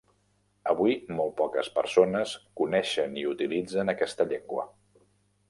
Avui molt poques persones coneixen i utilitzen aquesta llengua.